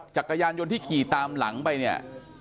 จักรยานยนต์ที่ขี่ตามหลังไปเนี่ย